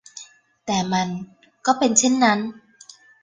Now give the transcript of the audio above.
แต่มันก็เป็นเช่นนั้น